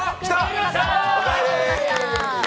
来ました！